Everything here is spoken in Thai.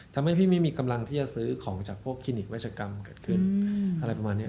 ทำให้พี่ไม่มีกำลังที่จะซื้อของจากพวกคลินิกเวชกรรมเกิดขึ้นอะไรประมาณนี้